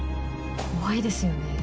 怖いですよね。